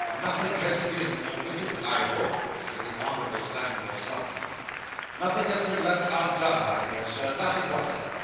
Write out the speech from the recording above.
'Nothing has been omitted, I hope?' said the Honourable Samuel Slumkey. 'Nothing has been left undone, my dear sir nothing whatever.